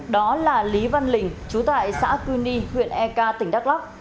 đó là lý văn lình chú tại xã cuy ni huyện eka tỉnh đắk lắk